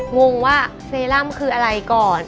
งงว่าเซรั่มคืออะไรก่อน